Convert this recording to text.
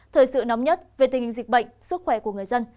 thời sự nóng nhất về tình hình dịch bệnh sức khỏe của người dân